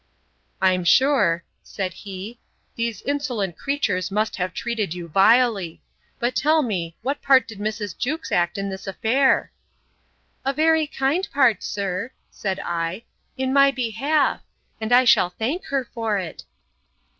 I'm sure, said he, these insolent creatures must have treated you vilely. But tell me, what part did Mrs. Jewkes act in this affair? A very kind part, sir, said I, in my behalf; and I shall thank her for it.